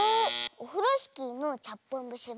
「オフロスキーのちゃっぽんぶし」は。